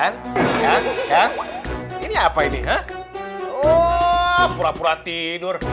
kan ini apa ini pura pura tidur